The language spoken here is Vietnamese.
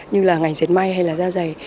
như là ngành diệt may hay là da dày